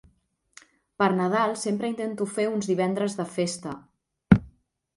Per Nadal sempre intento fer uns divendres de festa.